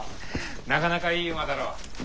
なかなかいい馬だろ。